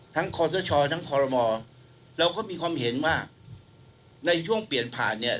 คอสชทั้งคอรมอเราก็มีความเห็นว่าในช่วงเปลี่ยนผ่านเนี่ย